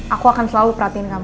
aku akan selalu perhatiin kamu